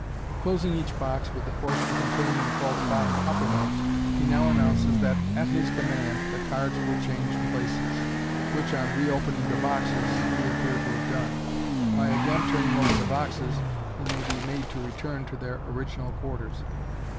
Closing each box with the portion containing the false bottom uppermost, he now announces that at his command the cards will change places, which, on re opening the boxes, they appear to have done. By again turn ing over the boxes, they may be made to return to their original quarters.